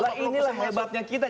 lah inilah hebatnya kita